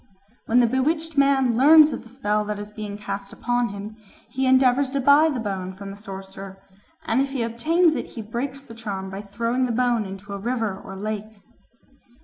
When the bewitched man learns of the spell that is being cast upon him, he endeavours to buy the bone from the sorcerer, and if he obtains it he breaks the charm by throwing the bone into a river or lake.